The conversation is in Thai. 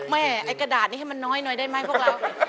ไม่ไกระดาษนี่ให้มันน้อยได้ไหมพวกเรา